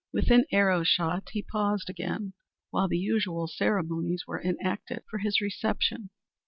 Within arrow shot he paused again, while the usual ceremonies were enacted for his reception.